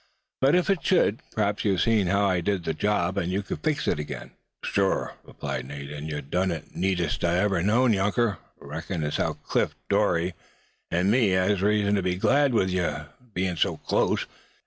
But if it should, perhaps you've seen how I did the job, and you could fix it up again?" "Sure," replied Nate; "and yuh dun it ther neatest I ever knowed, younker. Reckon as how Cliff Dorie an' me has reason tuh be glad yuh happened tuh be so clost.